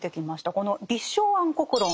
この「立正安国論」